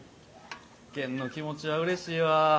元の気持ちはうれしいわ。